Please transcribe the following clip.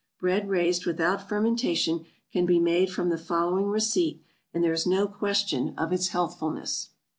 Bread raised without fermentation can be made from the following receipt, and there is no question of its healthfulness.